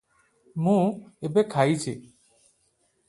ମୁଁ ଏବେ ଖାଉଛି।